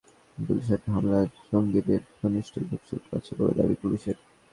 কল্যাণপুরের জঙ্গিদের সঙ্গে গুলশানে হামলার জঙ্গিদের ঘনিষ্ঠ যোগসূত্র আছে বলে দাবি পুলিশের।